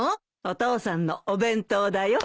お父さんのお弁当だよ。